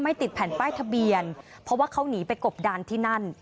ติดแผ่นป้ายทะเบียนเพราะว่าเขาหนีไปกบดานที่นั่น